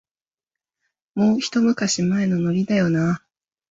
もう、ひと昔前のノリだよなあ